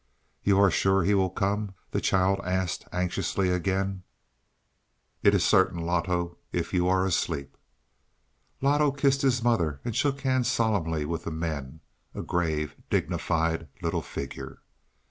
"You are sure he will come?" the child asked anxiously again. "It is certain, Loto if you are asleep." Loto kissed his mother and shook hands solemnly with the men a grave, dignified little figure.